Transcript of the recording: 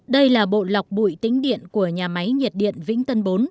đây là bộ lọc bụi tính điện của nhà máy nhiệt điện vĩnh tân bốn